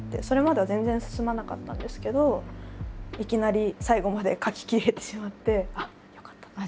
それまでは全然進まなかったんですけどいきなり最後まで書ききれてしまって「ああよかった」。